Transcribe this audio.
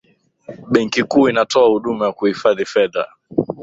benki kuu inatoa huduma ya kuhifadhi fedha